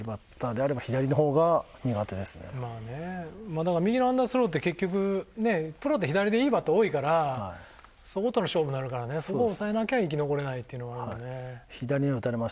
だから右のアンダースローって結局プロで左でいいバッター多いからそことの勝負になるからねそこを抑えなきゃ生き残れないっていうのはあるよね。